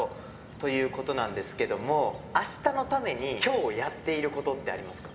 ということなんですけれども、あしたのためにきょうやっていることってありますか？